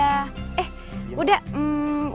eh udah makasih